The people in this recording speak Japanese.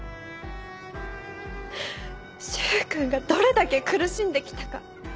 柊君がどれだけ苦しんで来たか